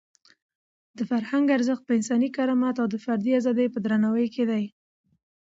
د فرهنګ ارزښت په انساني کرامت او د فردي ازادۍ په درناوي کې دی.